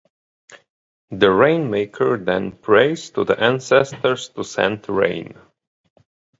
The rain-maker then prays to the ancestors to send rain.